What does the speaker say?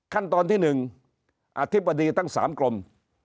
ขั้นตอนที่๑อธิบดีทั้ง๓กรม